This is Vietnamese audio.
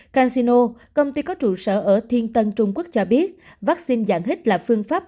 casino công ty có trụ sở ở thiên tân trung quốc cho biết vaccine dạng hít là phương pháp